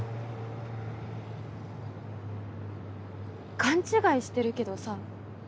勘違いしてるけどさ。